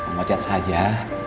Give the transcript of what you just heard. mau ngecat saja